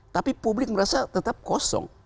tapi publik merasa tetap kosong